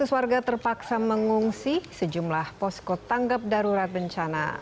dua ratus warga terpaksa mengungsi sejumlah posko tanggap darurat bencana